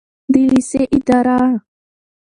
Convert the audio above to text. د لیسې اداره